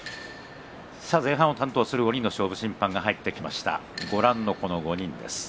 前半を担当する５人の勝負審判が入ってきました。